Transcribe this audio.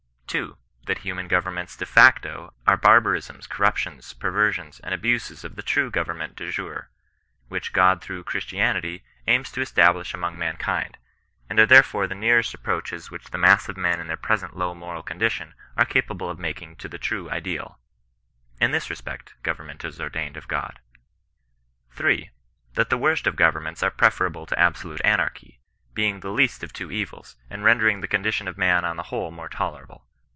2. That human go vernments de facto are barbarisms, corruptions, perver sions, and abuses of the true government dejure, which God through Christianity aims to establish among man kind ; and are therefore the nearest approaches which the mass of men in their present low moral condition are capable of making to the true ideal. l\i \Jma ^Rs^wsiw 66 CHRISTIAN NON KESISTANOE. govemment is ordained of God. 3. That the worst of govemments are preferable to absolute anarchy — ^being the least of two OTils, and rendering the condition of man on the whole more tolerable.